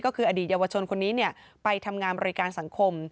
ก็คืออดีตเยาวชนคนนี้ไปทำงานบริการสังคม